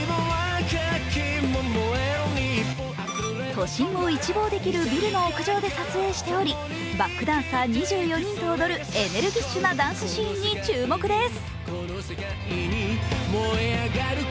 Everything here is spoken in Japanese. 都心を一望できるビルの屋上で撮影しておりバックダンサー２４人と踊るエネルギッシュなダンスシーンに注目です。